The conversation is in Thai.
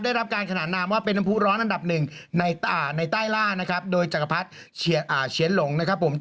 ได้รับการขนาดนามว่าเป็นน้ำพูร้อนอันดับหนึ่งในใต้ราโดยจักรพรรศเชียนลง